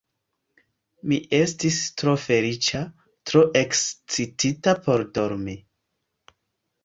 Mi estis tro feliĉa, tro ekscitita por dormi.